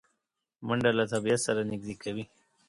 منډه له طبیعت سره نږدې کوي